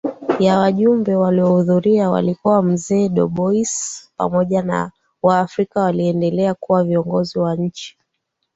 ya wajumbe waliohudhuria walikuwa mzee Dubois pamoja na Waafrika walioendelea kuwa viongozi wa nchi